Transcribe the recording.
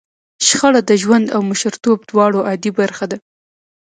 شخړه د ژوند او مشرتوب دواړو عادي برخه ده.